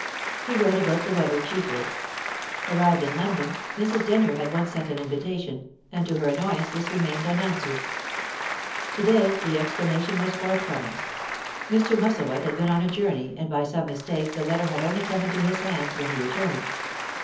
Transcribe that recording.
He wrote about the weather chiefly. Arrived in London, Mrs. Denyer at once sent an invitation, and to her annoyance this remained unanswered. To day the explanation was forthcoming; Mr. Musselwhite had been on a journey, and by some mistake the letter had only come into his hands when he returned.